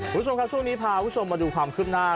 ทุกคนครับช่วงนี้ก็พาผู้ชมมาดูความคึบหน้า